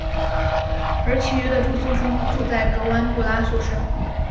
而其余的住宿生住在格湾布拉宿舍。